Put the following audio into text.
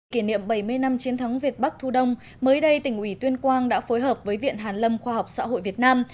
kỷ niệm bảy mươi năm chiến thắng việt bắc thu đông mới đây tỉnh ủy tuyên quang đã phối hợp với viện hàn lâm khoa học xã hội việt nam